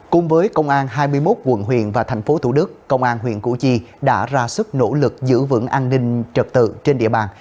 cùng với công an hai mươi một quận huyện và thành phố thủ đức công an huyện củ chi đã ra sức nỗ lực giữ vững an ninh trật tự trên địa bàn